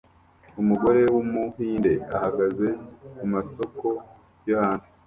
Umugore wumuhinde ahagaze kumasoko yo hanze